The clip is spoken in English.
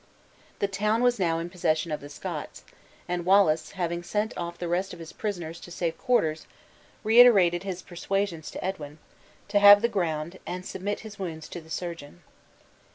The town was now in possession of the Scots; and Wallace, having sent off the rest of his prisoners to safe quarters, reiterated his persuasions to Edwin, to have the ground, and submit his wounds to the surgeon.